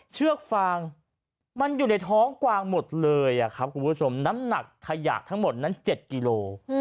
เชือกฟางมันอยู่ในท้องกวางหมดเลยครับคุณผู้ชมน้ำหนักขยะทั้งหมดนั้น๗กิโล